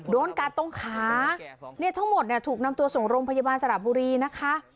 โดนกัดตรงขาเนี่ยทั้งหมดเนี่ยถูกนำตัวส่งโรงพยาบาลสระบุรีนะคะ